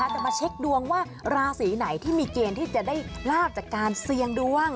จะมาเช็คดวงว่าราศีไหนที่มีเกณฑ์ที่จะได้ลาบจากการเสี่ยงดวง